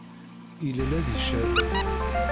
Illel ad icerreg.